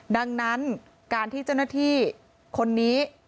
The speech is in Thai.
ดังนั้นการที่เจ้าหน้าที่คนนี้